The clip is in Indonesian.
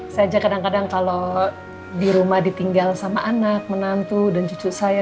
saya aja kadang kadang kalau di rumah ditinggal sama anak menantu dan cucu saya